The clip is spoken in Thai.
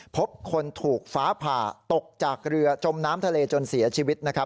พบคนถูกฟ้าผ่าตกจากเรือจมน้ำทะเลจนเสียชีวิตนะครับ